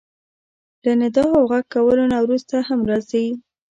له ندا او غږ کولو نه وروسته هم راځي.